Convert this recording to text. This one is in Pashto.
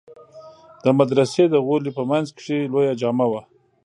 د مدرسې د غولي په منځ کښې لويه جامع وه.